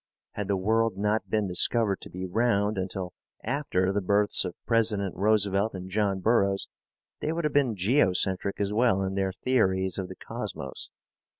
Had the world not been discovered to be round until after the births of President Roosevelt and John Burroughs, they would have been geocentric as well in their theories of the Cosmos.